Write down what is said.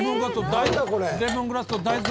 レモングラスと大豆。